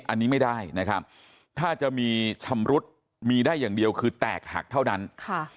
อันนี้ไม่ได้นะครับถ้าจะมีชำรุดมีได้อย่างเดียวคือแตกหักเท่านั้นค่ะ